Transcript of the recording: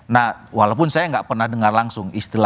nah walaupun saya nggak pernah dengar langsung